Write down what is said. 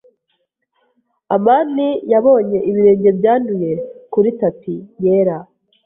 amani yabonye ibirenge byanduye kuri tapi yera.